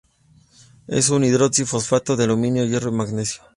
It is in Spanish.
Es un hidroxi-fosfato de aluminio, hierro y magnesio.